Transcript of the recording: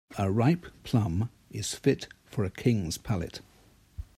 A ripe plum is fit for a king's palate.